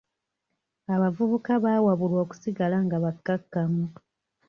Abavubuka baawabulwa okusigala nga bakkakkamu.